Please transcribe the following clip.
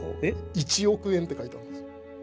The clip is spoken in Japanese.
「一億円」って書いてあるんですよ。